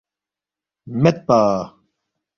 ”میدپا”